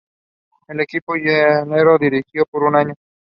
En el equipo llanero, dirigió por un año.